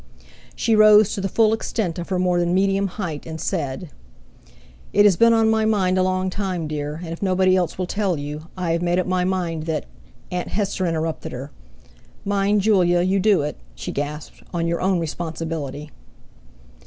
She rose to the full extent of her more than medium height, and said: "It has been on my mind a long time, dear, and if nobody else will tell you, I have made up my mind that...." Aunt Hester interrupted her: "Mind, Julia, you do it...." she gasped—"on your own responsibility!"